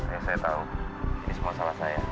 yang saya tahu ini semua salah saya